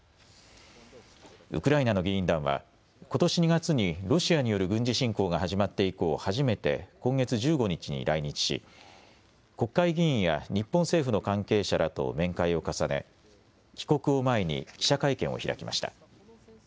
ウクライナの議員団はことし２月にロシアによる軍事侵攻が始まって以降、初めて今月１５日に来日し国会議員や日本政府の関係者らと面会を重ね帰国を前に記者会見を開きました。